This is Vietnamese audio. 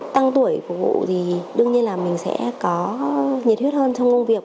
tăng tuổi phục vụ thì đương nhiên là mình sẽ có nhiệt huyết hơn trong công việc